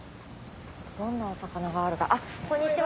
どんなお魚があるかあっこんにちは。